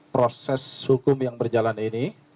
proses hukum yang berjalan ini